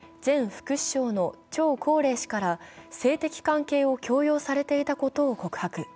自身のＳＮＳで前副首相の張高麗氏から性的関係を強要されていたことを告白。